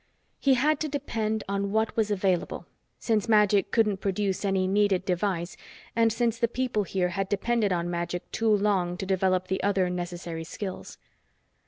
He had to depend on what was available, since magic couldn't produce any needed device and since the people here had depended on magic too long to develop the other necessary skills.